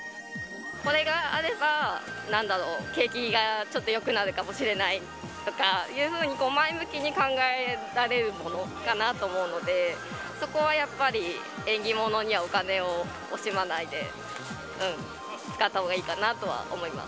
これがあれば、なんだろう、景気がちょっとよくなるかもしれないとかいうふうに、前向きに考えられるものかなと思うので、そこはやっぱり縁起物にはお金を惜しまないで、うん、使ったほうがいいかなとは思います。